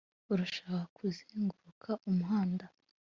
urashaka kuzenguruka umuhanda